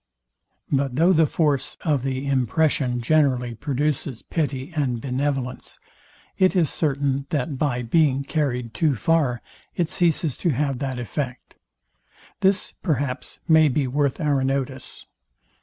But though the force of the impression generally produces pity and benevolence, it is certain, that by being carryed too far it ceases to have that effect. This, perhaps, may be worth our notice.